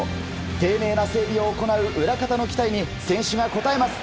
丁寧な整備を行う裏方の期待に選手が応えます。